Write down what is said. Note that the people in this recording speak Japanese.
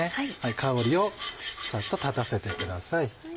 香りをサッと立たせてください。